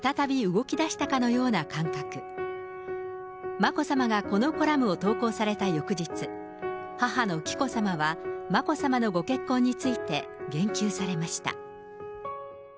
眞子さまがこのコラムを投稿された翌日、母の紀子さまは、眞子さまのご結婚について、言及されました。